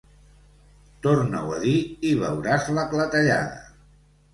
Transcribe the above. Torna-ho a dir i veuràs la clatellada.